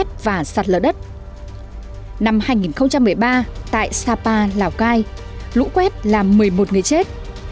tại sapa lào cai lũ quét làm một mươi một người chết